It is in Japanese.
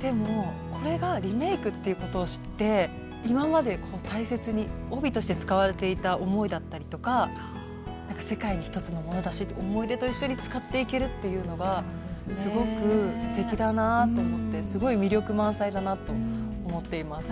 でもこれがリメイクっていうことを知って今まで大切に帯として使われていた思いだったりとか世界に一つのものだし思い出と一緒に使っていけるっていうのがすごくすてきだなぁと思ってすごい魅力満載だなと思っています。